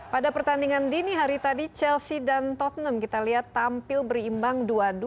pada pertandingan dini hari tadi chelsea dan tottenham kita lihat tampil berimbang dua dua